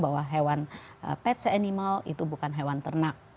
boleh dikatakan bahwa pet animal itu bukan hewan ternak